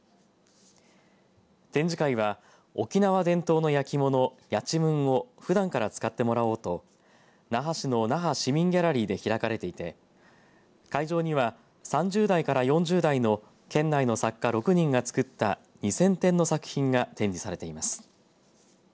展示会は沖縄伝統の焼き物やちむんを普段から使ってもらおうと那覇市の那覇市民ギャラリーで開かれていて会場には３０代から４０代の県内の作家６人が作った２０００点の作品が展示されています。